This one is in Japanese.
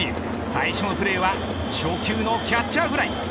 最初のプレーは初球のキャッチャーフライ。